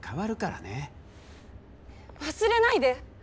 忘れないで！